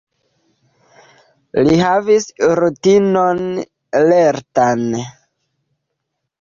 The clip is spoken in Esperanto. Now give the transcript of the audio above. Li havis rutinon lertan.